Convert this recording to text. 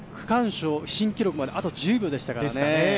新記録まであと１０秒でしたね。